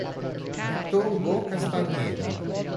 Víctor Hugo Castañeda